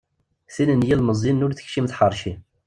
Tin n yilmeẓyen ur tekcim tḥerci.